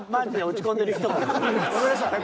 ごめんなさい。